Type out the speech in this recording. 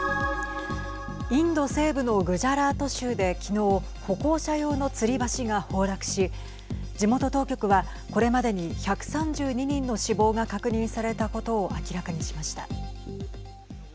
インド西部のグジャラート州で昨日歩行者用のつり橋が崩落し地元当局は、これまでに１３２人の死亡が確認されたことを明らかにしました。